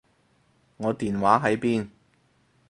我電話喺邊？